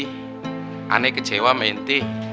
saya kecewa sama n t